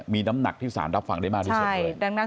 มีน้ำหนักที่สารรับฟังได้มากที่สุดเลย